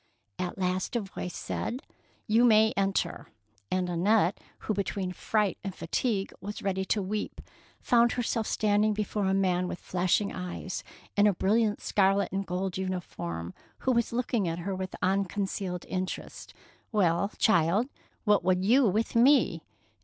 At last a voice said, —'' You may enter'' ; and Annette, who between fright and fatigue was ready to weep, found herself standing before a man with flashing eyes and a bril liant scarlet and gold uniform, who was looking at her with unconcealed interest. ''Well, child, what would you with me?